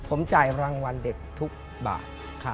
ผมจ่ายรางวัลเด็กทุกบาท